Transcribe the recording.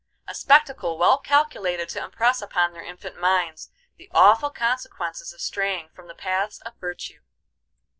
A spectacle well calculated to impress upon their infant minds the awful consequences of straying from the paths of virtue.